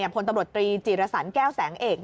พลตำรวจตรีจิรสันแก้วแสงเอก